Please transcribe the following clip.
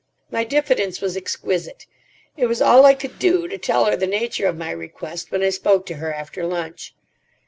My diffidence was exquisite. It was all I could do to tell her the nature of my request, when I spoke to her after lunch.